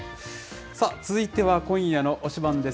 さあ、続いては今夜の推しバン！です。